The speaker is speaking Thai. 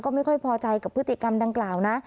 ไม่ค่อยพอใจกับพฤติกรรมดังกล่าวนะ